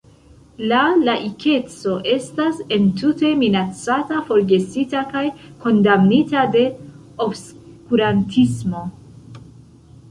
La laikeco estas entute minacata, forgesita kaj kondamnita de obskurantismo.